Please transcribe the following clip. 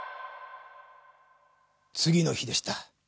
次の日でした。